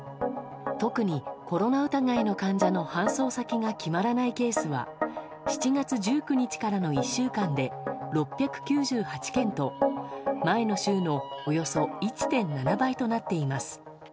特にコロナ疑いの患者の搬送先が決まらないケースは７月１９日からの１週間で６９８件と、前の週のおよそ１．７倍となっています。